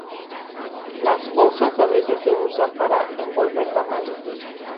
Las hojas a veces se usan para envolver tamales.